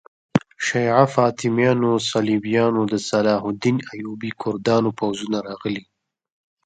شیعه فاطمیانو، صلیبیانو، د صلاح الدین ایوبي کردانو پوځونه راغلي.